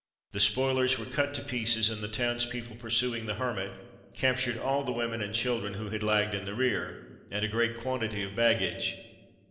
The spoilers were cut to pieces, and the townspeople pursuing the Hermit, captured all the women and children who had lagged in the rear, and a great quantity of baggage.